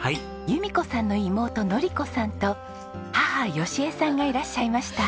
由美子さんの妹典子さんと母芳江さんがいらっしゃいました。